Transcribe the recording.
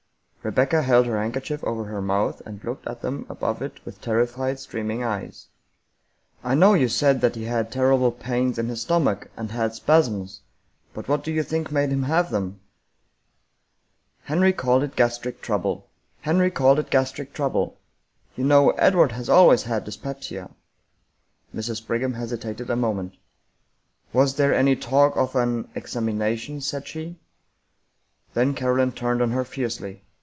Rebecca held her handkerchief over her mouth, and looked at them above it with terrified, streaming eyes. " I know you said that he had terrible pains in his stom ach, and had spasms, but what do you think made him have them ?"" Henry called it gastric trouble. You know Edward has always had dyspepsia." Mrs. Brigham hesitated a moment. " Was there any talk of an — examination? " said she. Then Caroline turned on her fiercely.